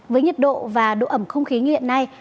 với nhiệt độ và độ ẩm không khí như hiện nay